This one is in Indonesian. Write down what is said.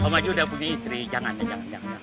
om aji udah punya istri jangan ya jangan